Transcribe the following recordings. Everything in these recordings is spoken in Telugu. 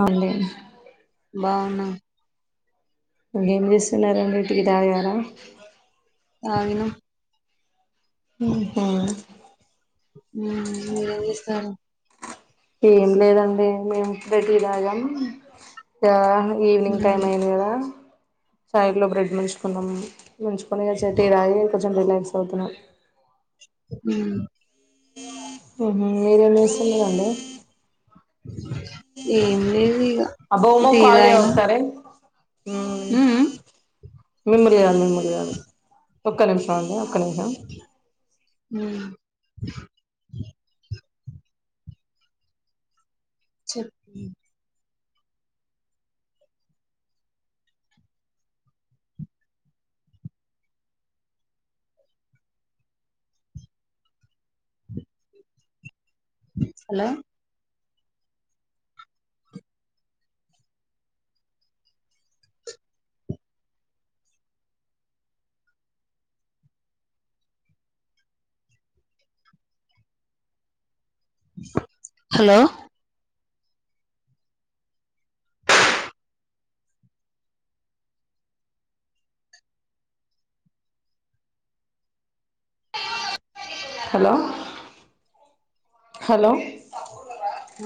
అవున్లే బావున్నాం ఇంకేం చేస్తున్నారండి టి తాగారా తాగిన అంతేనా మీరేంచేస్తున్నారు ఏం లేదండి మేమ్ ఇప్పుడె టీ తాగాం ఈవినింగ్ మ్మ్ టైమ్ అయింది కదా చాయిలో బ్రెడ్ ముంచుకున్నాము ముంచుకొనిగ టీ తాగి కొంచెం రిలాక్స్ అవుతున్నాం హ్మ్మ్ మీరేం చేస్తున్నారండి ఏం లేదు ఇక టీ తాగిన మ్ మీమల్నికాదు మిమ్మల్నికాదు ఒక్క నిమిషం ఆగు హ్మ్మ్ చె హలో హలో హలో హలో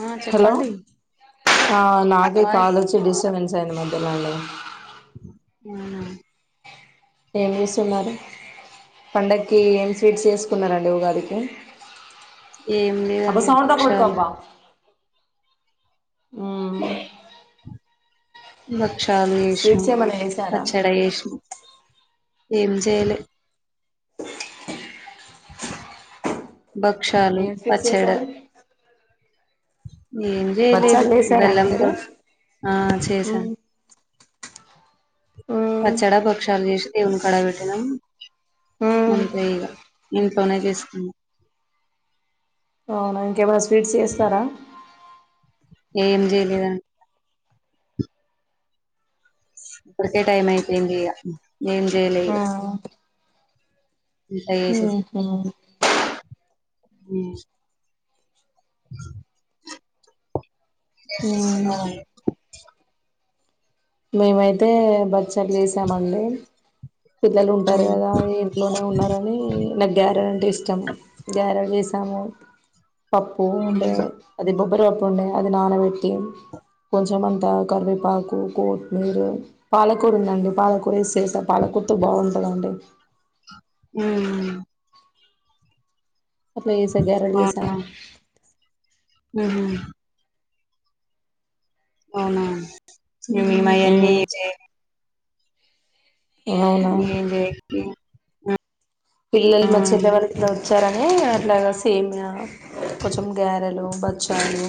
ఆ హలో చెప్పండి ఆ నాకే వాయిస్ కాల్ వచ్చి డిస్టబెన్స్ అయ్యింది మధ్యలోనె అవునా ఏం చేస్తున్నారు, పండగకి ఏం స్వీట్స్ చేసుకున్నారండి ఉగాదికి ఏం అబ్బా లేదన్న సౌండ్ తక్కువ పెట్టుకో బక్షాలు హ్మ్ బ బక్షాలు చేసినం ఏమన్నా చేసారా పచ్చడి చేసినం ఏం చేయలే భక్షాలు ఏం స్వీట్స్ పచ్చడ చేశారు ఏం చేయలేదు బచ్చాలు చేసారా బెల్ల అండి మీరు తోటి ఆ మ్మ్ చేసాను మ్మ్ అచ్చడ పక్షాలు చే ఏవును కడబట్టన మ్మ్ అంతగా ఇంట్నే చేసుకుంది అవునా ఇంకేమైనా స్వీట్స్ చేస్తారా ఏం చేయలేదుం కకె టైమ్ యితే ఇండి ఎం చేయలేగా ఉ ఉ అ మ్మ్ తినవా మేమైతే బ చల్సామండి పిల్లలు ఉంటారు కదా ఇంట్లోనే ఉన్నారని నాకు గ్యార అంటే ఇష్టం గ్యారె సమయ పప్పు అంటే అదే కొబ్బరిపప్పు ఉండే అది నానబెట్టి కొంచెం అంతా కరివేపాకు కోట్మీరు పాలకూరు ఉందండి పాలకూర వే చేసా పాలకర్తూ బాగుంటాదండి అట్లాశా గారెలు చేశా మ్ అవునా మీ మీమాయన్ని మ్మ్ ఇ అవునా ఏ లేతే ఆ పిల్లలు మా చిటవరకులా వచ్చారని అట్లాగా సేమయా కొంచెం గారెలు బచ్చాలు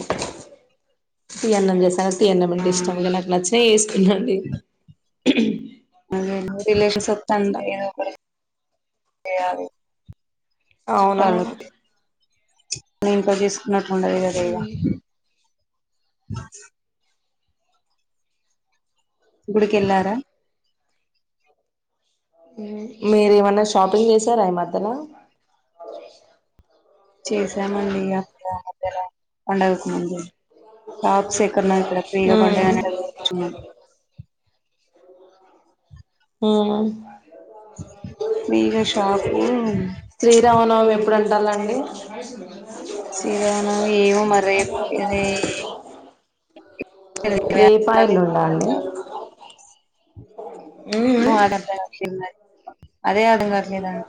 ఈ అన్నం చేసారు తీ ఆ అన్నామంటే ఇష్టం ఇక నాకు నచ్చినవి చేసుకున్నాండి అదే రిలేషన్స్ వాతంది అట్లా ఏదో ఒకటి చెయ్యాలి టను అవునవును నింకా తీసు నాకుండదు కదా ఇగ మ్మ్ బ గుడికెళ్ళారా మీరు ఏమన్నా షాపింగ్ చేసారా ఈ మద్యల చేసామండి అప్పు ల కొండవుకు మంది టాప్స్ ఎక్కడైనా ఫ్రీ గా మ్మ్ పండగనే ఇంచ హ ఆ మీగ షాపు ఇప్పుడు ఉంటాలండి శ్రీ రామనవమి ఏమో మరి రేప్ రే రేపా అ ఎల్లుండా అండి ను ఆడద్ద సను అదే అడుగట్లేదా అ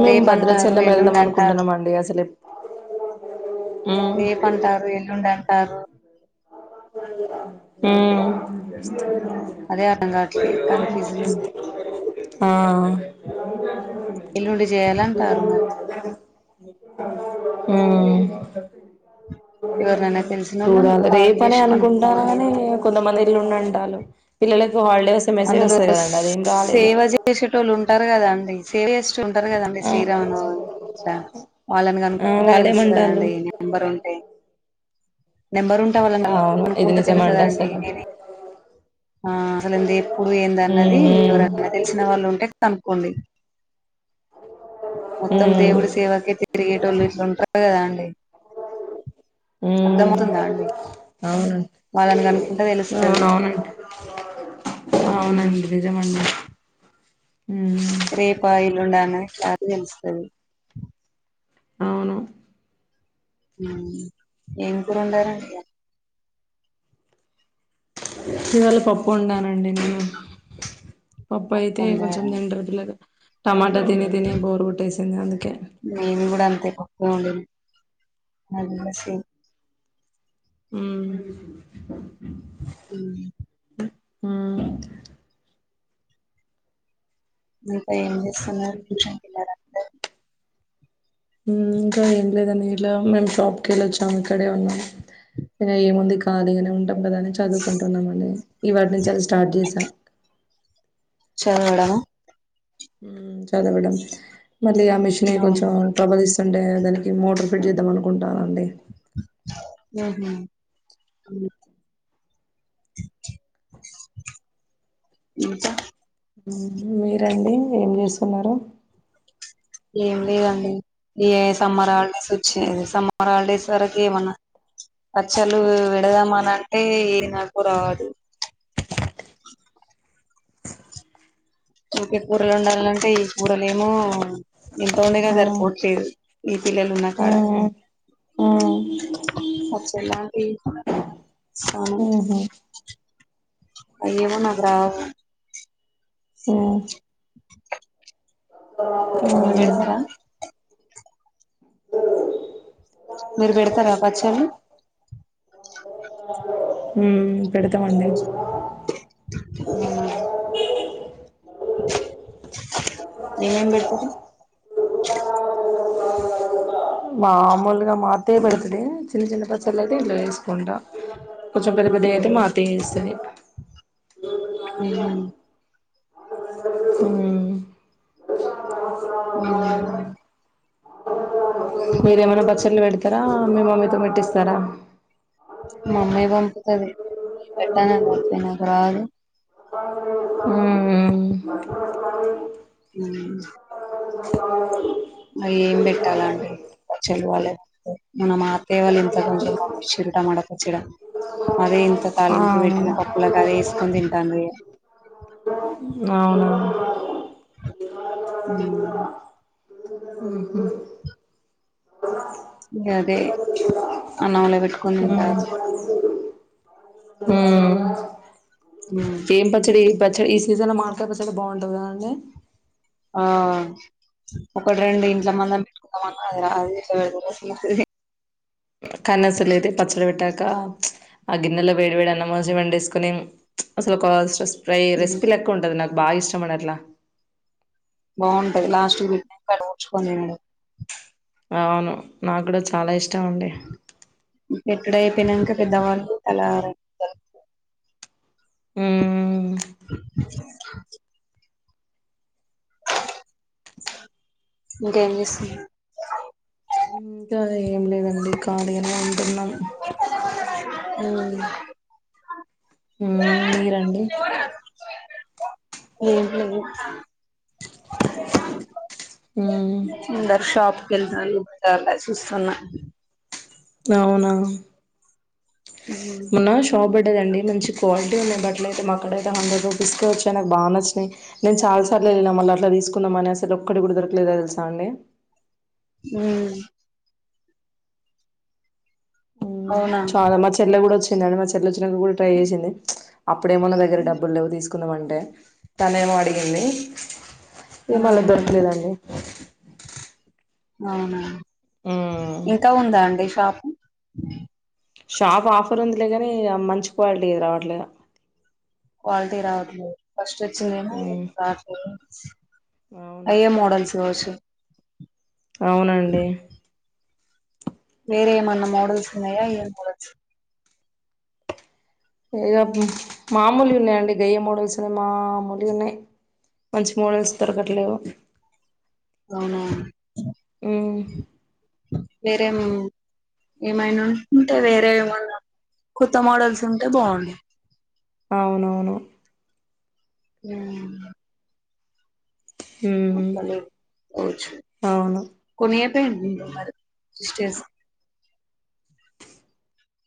మేము భద్రాచలం వెళ్దాం అంటారు అనుకుంటున్నాం అండి అసలు ఎప్ హు టారు అదే అర్థం హు కావట్లేదు కన్ఫ్యూజన్ ఉంది ఆ ఎల్లుండి చేయాలంటారు మరి ఊ ఎవరినైనా తెలిసిన చూడా వాళ్ళని కాల్ రేపు పని చేసి అనుకుంటాన కనుక్కోవాలి కానీ కొంతమంది ల్లుండు అంటలు పిల్లలను అందులో సేవ చేసేటోళ్ళు ఉంటారు కదా అండి సేవ చేసేటోళ్లు ఉంటారు కదండి ఆ శ్రీరామనవమి శ్రా వాళ్ళని క ఆ నుకుంటే వాళ్ళేమంటాలు తెలుస్తుదండి నెంబర్ ఉంటే నెంబర్ ఉంటా వాళ్ళ మళ్ అవును ఇది కనుకుంటే తెలుస్తాద నిజమండి అండి అసలు నేను ఆ అసలు దేని ఇప్పుడు ఏంది హ్మ్ అన్నది హ్మ్ ఎవరైనా తెలిసిన వాళ్ళు ఉంటే కనుక్కోండి మొత్తం హ్మ్ దేవుడి సేవకె తిరిగేటోళ్ళు ఇట్లుంటర్ అంతే కదా అండి హ్మ్ అర్థమవుతుందా అండి వాళ్ళని కనుక అంటే తెలుసు అవును అవునండి ఉమ్ అవునండి నిజమండ రేపాఎల్లుండ అని ఎవరికి తెలుస్తాది అవును ఏం కూర వండరండి ఇ వాళ పప్పు వండను డి నేను పప్పా పప్పు అయితే కొంచెం వండారా తింటారు పిల్లలు టమ అ తిని తిని బోరుకొటేసింది అందుకె త పప్ప వండను ఉమ్ అ ఉమ్, ఇంకా ఏం చేస్తున్నారు ట్యూషన్ పిల్లారంతారు ఇంకా ఏం లేదండి ఇలా మేము షాప్కి వెళ్ళొచ్చాం ఇక్కడే ఉన్నాం ఇంక ఏముంది కలిగానే ఉంటాం దని చదువుకుంటున్నామని ఇవాటి నుంచి అది స్టార్ట్ చేసా చదవడమ ఉ చదవడం మళ్ళీ ఆ మిషన్ కొంచెం ట్రబుల్ ఇస్తుండే దానికి మోటర్ ఫట్ చేద్దాం అనుంట అండి హమ్ ఇంకా మీరండి ఏం చేస్తున్నారు ఏం లేదండి ఏ సమ్మర్ హాలిడేస్ వచ్చేది సమ్మర్ హాలిడేస్ వరకు ఏమన్నా పచ్చలు పేడదామ అని అంటే ఏ నాకు రాదు ఇకే కూరలు ఉండాలంటే ఈ కూరలే ఏమో ఎంత వండిన సరిపోట్లేదు ఈ పిల్లలు ఉన్నా కాడ ఉహు అయ్యమో నాకురావు మెరుపేడతార మీరు పెడతారా పచ్చలు హమ్ పెడతామండి నేనా ఏమేం పెడతారు మామూలుగా మా అత్తయ పెడతది చిన్న చిన్న పచ్చళ్ళ అయితే ఇంట్లో వేసుకుంటా కొంచెం పెద్ద పెద్దవైతే ఉమ్ మా అత్తయ చేస్తాది అ హమ్ మ్మ హమ్ మ్మ మీరేమైనా పచ్చళ్లు పెడతారా మీ మమ్మీతో మెట్టిస్తారా మా అమ్మయి పంపుతుంది పెట్టానులాపో నాకు రాదు మ హమ్ ఏం పెట్టాలండి చెలి వాళ్ళే మన మాతయ వాళ్ళు ఇంత కొంచెంచ్చడటం అడ కూచ్చడం అదే ఇంత ఆ తళింపు పెట్టిన పప్పులలకు అదే వేసుకొని తింటాను అవునా హ అదే అన్నావల పెట్టుకోనుండారు ఉమ్ ఏం పచ్చడి పచ్చడి ఈ సీజన్ లో మార్కాయ పచ్చడి బాగుంటందండి ఆ ఒకటి రెండు ఇంట్ల మంద పెట్టుకుంటామ అదిలు కానీ అసలుయితే పచ్చడి పెట్టాక ఆ గిన్నెలో వేడి వేడి అన్నమాజ వం వేసుకొని అసలు స్ట్రెస్ ఫ్రై ఉమ్, రెసిపీ లెక ఉంటదు నాకు బాగా ఇష్టమడిట్లా బాగుంటాది లాస్ట్ వీ. ట్ నెంకాడ డ్చుకని అవును నాకు కూడా చాలా ఇష్ ఎక్కడయిపోయినాంక పెద్ద వన్కు అలా రే కన్ మ్మ్ మ్ ఇంకేం చేస్ ఇంకా ఏం లేదండి కాలీగనే ఉంటున్నాం హ్మ్ హుమ్ మీరండి ఏం లేదు మ్మ్ ముందర్ షాప్ కెళ్తాళ్ళు హుక్తాలా చూస్తున్నా అవునా ఉమ్ మన్న షాప్ బెట్ లేదండి మంచి క్వాలిటీ ఉన్నయి, బట్లయితే మాకాడ హండ్రెడ్ రూపీస్ కే వచ్చాయి నాక్ బా నచ్చినాయి. నేను చాల్ సార్లు ఎల్లిన మళ్ళ అట్లా తీసుకుందాం అని అసలు ఒక్కడి కూడా దొరకలేదా తెలుసా అండి. హ్మ్ అవునా చాల మా చెల్ గూడ వచ్ ఇందాక మా చెల్లి వచ్చినా కూడా ట్రై చేసింది అప్పుడేమో నాదగ్గర డబ్బుల్ లేవు తీసు కున్నమంటే తనేమో అడిగింది ఏమో లే అవునా దొరకలేదండి అవునా మ్మ్ ఇంకా ఉందా అండి షాప్ మ్ షాప్ ఆఫర్ ఉందిలే కాని మంచి క్వాలిటీ రావట్లే అది క్వాలిటీ రావట్లే ఫస్ట్ వచ్చిందేమో మ్మ్ క్లాత్ అవును అయే మడల్స్ దో సి అవునండి వేరే ఏమన్నా మోడల్స్ ఉన్నాయా ఏ మోడల్స్ ఏదో మామూలు ఉన్నాయండి గయ్యే మోడల్స్ ఉన్నా మామూలు ఉన్నాయి మంచి మోడల్స్ దొరకట్లేవు అవునా మ్మ్ వేరే ఎం ఏమైనా ఉంటే వేరే ఏమన్నా కొత్త మోడల్స్ ఉంటే బాగుండే అవును అవును హుమ్మ్ మ్మ్ [unintelligible] తే అవును [unintelligible] సిస్టర్స్